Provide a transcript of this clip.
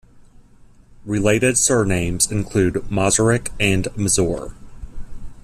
Related surnames include Mazurek and Mazur.